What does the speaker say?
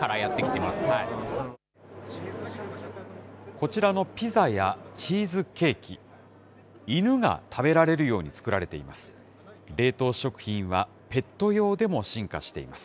こちらのピザやチーズケーキ、犬が食べられるように作られています。